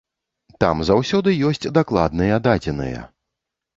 Там заўсёды ёсць дакладныя дадзеныя.